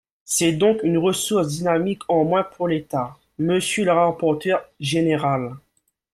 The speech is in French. C’est donc une ressource dynamique en moins pour l’État, monsieur le rapporteur général